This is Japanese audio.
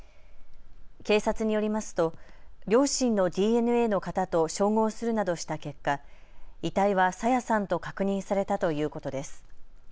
警察によりますと両親のＤＮＡの型と照合するなどした結果、遺体は朝芽さんと確認されたということです。